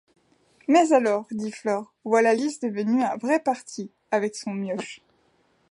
Mais alors, dit Flore, voilà Lise devenue un vrai parti, avec son mioche...